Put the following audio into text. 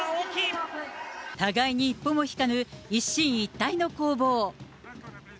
互いに一歩も引かぬ一進一退の攻防。